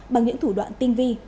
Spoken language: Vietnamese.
bằng những thủ đoạn tinh vi